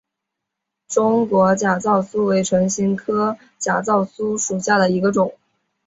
中间假糙苏为唇形科假糙苏属下的一个种。